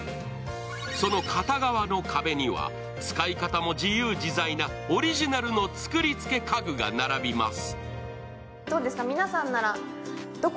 その片側の壁には使い方も自由自在なオリジナルの作りつけ家具が並びます。